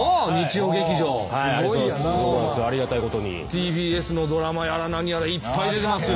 ＴＢＳのドラマやら何やらいっぱい出てますよ。